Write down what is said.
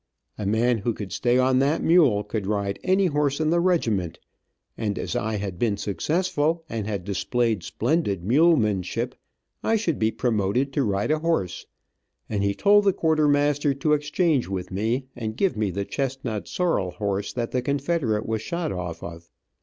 A man who could stay on that mule could ride any horse in the regiment, and as I had been successful, and had displayed splendid mulemanship, I should be promoted to ride a horse, and he told the quartermaster to exchange with me and give me the chestnut sorrel horse that the Confederate was shot off of.